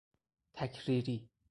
تکریری